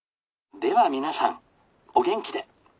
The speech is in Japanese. では皆さんお元気で。